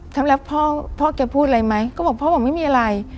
ทำแล้วพ่อพ่อแกพูดอะไรไหมก็บอกพ่อบอกไม่มีอะไร